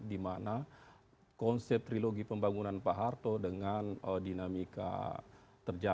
dimana konsep trilogi pembangunan pak harto dengan dinamika terjamin keamanan terjamin